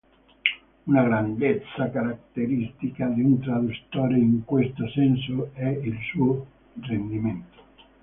Una grandezza caratteristica di un trasduttore in questo senso è il suo "rendimento":.